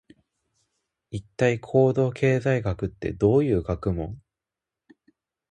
一体、行動経済学ってどういう学問？